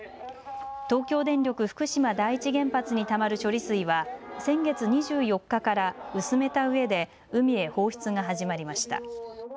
東京電力福島第一原発にたまる処理水は先月２４日から薄めたうえで海へ放出が始まりました。